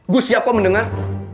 gue siap kok mendengar